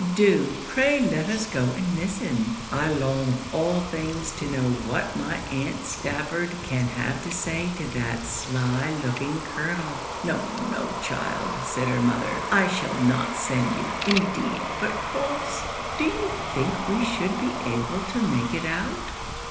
Do, pray let us go and listen I long of all things to know what my aunt Stafford can have to say to that sly looking Colonel.' 'No, no, child,' said her mother, 'I shall not send you, indeed but Crofts, do you think we should be able to make it out?'